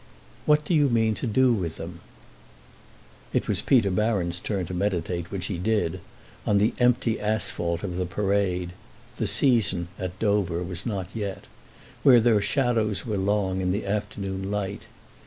"What do you mean to do with them?" It was Peter Baron's turn to meditate, which he did, on the empty asphalt of the Parade (the "season," at Dover, was not yet), where their shadows were long in the afternoon light.